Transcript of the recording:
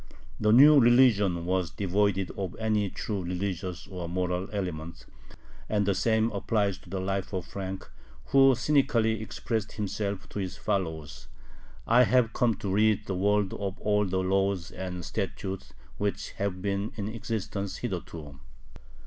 The new religion was devoid of any truly religious or moral element, and the same applies to the life of Frank, who cynically expressed himself to his followers: "I have come to rid the world of all the laws and statutes which have been in existence hitherto."